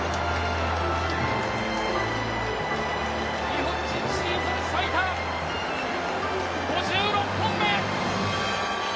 日本人シーズン最多５６本目。